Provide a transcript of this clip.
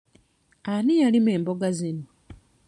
Ani yalima emboga zino?